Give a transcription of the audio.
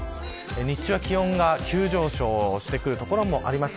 日中は気温が急上昇してくる所もあります。